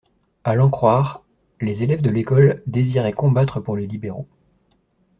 A l'en croire, les élèves de l'École désiraient combattre pour les libéraux.